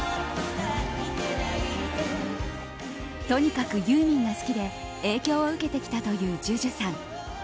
とにかくユーミンが好きで影響を受けてきたというＪＵＪＵさん。